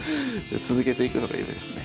続けていくのが夢ですね。